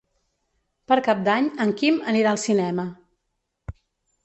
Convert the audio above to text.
Per Cap d'Any en Quim anirà al cinema.